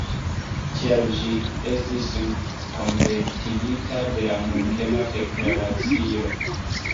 Tial ĝi estis kompletigita de la Munkena Deklaracio.